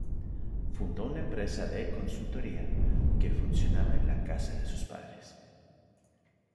Fundó una empresa de consultoría que funcionaba en la casa de sus padres.